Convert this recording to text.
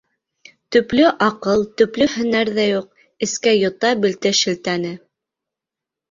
Төплө аҡыл, төплө һөнәр ҙә юҡ, Эскә йота белде шелтәне.